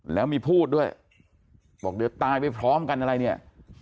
แล้วมีพูดด้วยบอกเดี๋ยวตายไปพร้อมกันอะไรเนี่ย